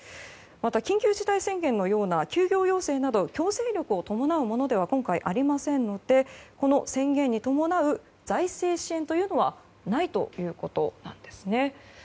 また緊急事態宣言のような休業要請など強制力を伴うものでは今回、ありませんのでこの宣言に伴う財政支援はないということなんです。